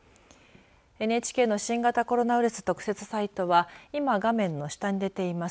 ＮＨＫの新型コロナウイルス特設サイトは今、画面の下に出ています